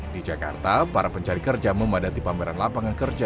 di jakarta para pencari kerja memadati pameran lapangan kerja